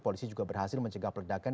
polisi juga berhasil mencegah peledakan